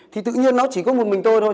thì tự nhiên nó chỉ có một mình thôi thôi